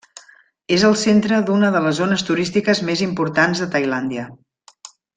És el centre d'una de les zones turístiques més importants de Tailàndia.